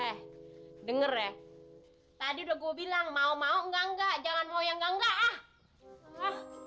eh denger ya tadi udah gue bilang mau mau enggak enggak jangan mau yang enggak enggak ah